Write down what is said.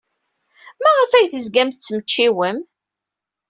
Maɣef ay tezgam tettmecčiwem?